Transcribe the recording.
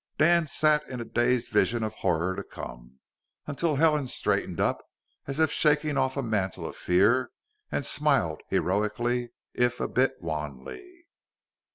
Dan sat in a dazed vision of horror to come, until Helen straightened up as if shaking off a mantle of fear, and smiled heroically, if a bit wanly.